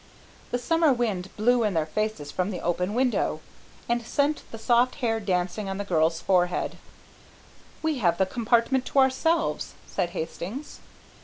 The summer wind blew in their faces from the open window, and sent the soft hair dancing on the girl's forehead. "We have the compartment to ourselves," said Hastings.